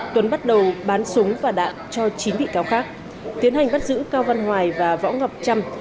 tuấn bắt đầu bán súng và đạn cho chín bị cáo khác tiến hành bắt giữ cao văn hoài và võ ngọc trăm